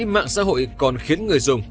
mạng xã hội còn khiến người dùng